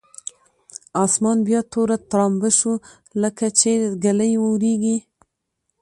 اسمان بیا توره ترامبه شو لکچې ږلۍ اورېږي.